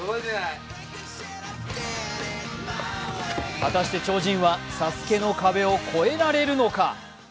果たして超人は「ＳＡＳＵＫＥ」の壁を越えられるのか。